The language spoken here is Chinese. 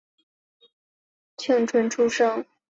高春育是乂安省演州府东城县高舍总高舍社盛庆村出生。